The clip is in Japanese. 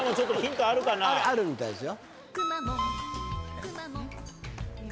あるみたいですよ。